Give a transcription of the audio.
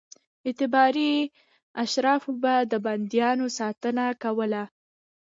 اعتباري اشرافو به د بندیانو ساتنه کوله.